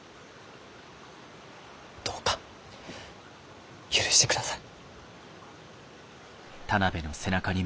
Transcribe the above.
どうか許してください。